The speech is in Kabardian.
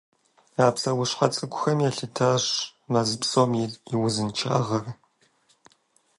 А псэущхьэ цӀыкӀухэм елъытащ мэз псом и узыншагъэр.